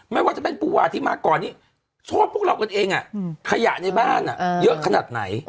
ไม่ว่าจะเป็นปูวาที่มาก่อนนี้โชคพวกเรากันเองขยะในบ้านเยอะขนาดไหน